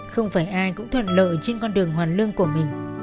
không phải ai cũng thuận lợi trên con đường hoàn lương của mình